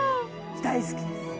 大好きです。